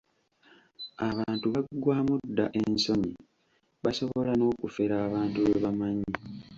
Abantu baggwaamu dda ensonyi, basobola n'okufera abantu be bamanyi.